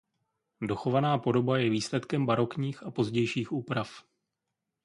Dochovaná podoba je výsledkem barokních a pozdějších úprav.